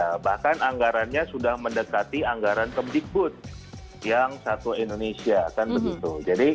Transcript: ya bahkan anggarannya sudah mendekati anggaran kemdikbud yang satu indonesia kan begitu jadi